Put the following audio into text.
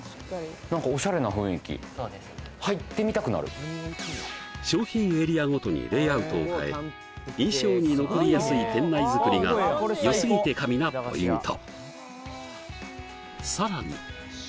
確かに商品エリアごとにレイアウトを変え印象に残りやすい店内づくりが良すぎて神なポイント